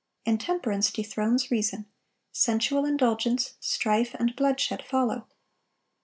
Intemperance dethrones reason; sensual indulgence, strife, and bloodshed follow.